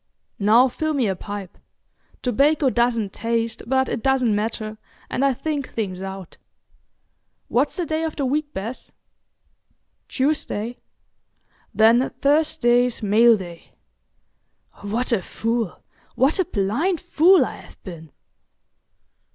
"Now fill me a pipe. Tobacco doesn't taste, but it doesn't matter, and I'll think things out. What's the day of the week, Bess?" "Tuesday." "Then Thursday's mail day. What a fool—what a blind fool I have been!